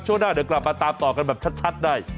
ช่วงหน้าเดี๋ยวกลับมาตามต่อกันแบบชัดใน